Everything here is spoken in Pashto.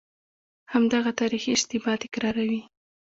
همدغه تاریخي اشتباه تکراروي.